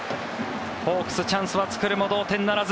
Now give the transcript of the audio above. ホークス、チャンスは作るも同点ならず。